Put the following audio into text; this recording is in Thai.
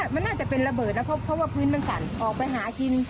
มันน่าจะเป็นระเบิดนะเพราะว่าพื้นมันสั่นออกไปหากิน